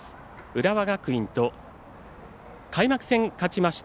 浦和学院と、開幕戦勝ちました